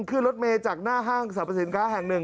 ขึ้นรถเมย์จากหน้าห้างสรรพสินค้าแห่งหนึ่ง